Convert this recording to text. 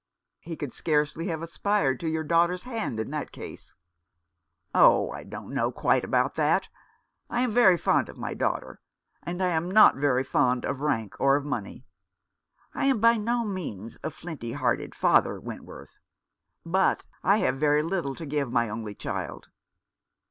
" He could scarcely have aspired to your daughter's hand in that case." "Oh, I don't quite know about that. I am very fond of my daughter, and I am not very fond of rank or of money. I am by no means a flinty hearted father, Wentworth. But I have very little to give my only child."